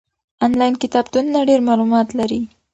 آنلاین کتابتونونه ډېر معلومات لري.